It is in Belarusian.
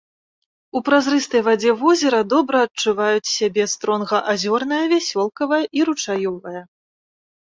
У празрыстай вадзе возера добра адчуваюць сябе стронга азёрная, вясёлкавая і ручаёвая.